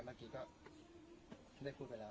เมื่อกี้ก็ได้พูดไปแล้ว